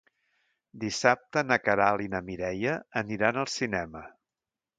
Dissabte na Queralt i na Mireia aniran al cinema.